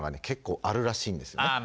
結構あるらしいんですよ。